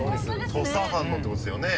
土佐藩のってことですよね？